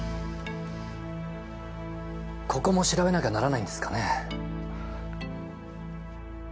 ここも調べなきゃならないんですかね？